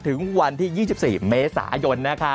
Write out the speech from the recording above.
ถึงวันที่๒๔เมษายนนะครับ